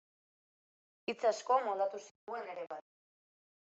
Hitz asko moldatu zituen ere bai.